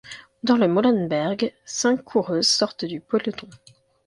Dans le Molenberg, cinq coureuses sortent du peloton.